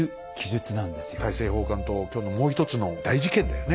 大政奉還と今日のもう一つの大事件だよね。